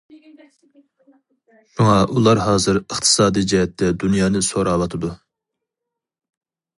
شۇڭا ئۇلار ھازىر ئىقتىسادىي جەھەتتە دۇنيانى سوراۋاتىدۇ.